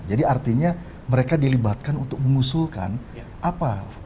jadi artinya mereka dilibatkan untuk mengusulkan apa